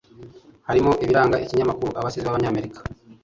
harimo ibiranga ikinyamakuru abasizi b'abanyamerika